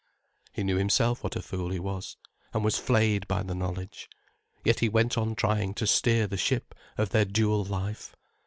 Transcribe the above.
He knew himself what a fool he was, and was flayed by the knowledge. Yet he went on trying to steer the ship of their dual life.